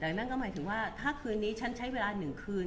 แต่นั่นก็หมายถึงว่าถ้าคืนนี้ฉันใช้เวลา๑คืน